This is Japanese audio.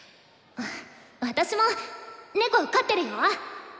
私も猫飼ってるよ。